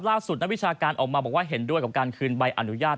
นักวิชาการออกมาบอกว่าเห็นด้วยกับการคืนใบอนุญาต